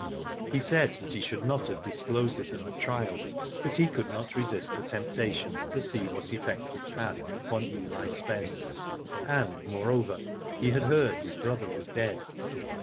He said he should not have disclosed it at the trial, but he could not resist the temptation to see what effect it had upon Eli Spence, and, moreover, he had heard his brother was dead.